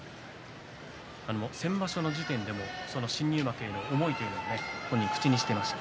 先場所の時点でも新入幕の思いというのを口にしていました。